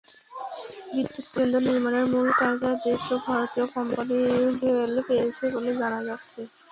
বিদ্যুৎকেন্দ্র নির্মাণের মূল কার্যাদেশও ভারতীয় কোম্পানি ভেল পেয়েছে বলে জানা যাচ্ছে।